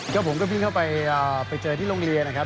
ก็ผมก็วิ่งเข้าไปไปเจอที่โรงเรียนนะครับ